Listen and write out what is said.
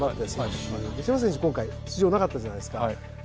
今回出場なかったじゃないですか。